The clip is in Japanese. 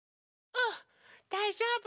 うんだいじょうぶ。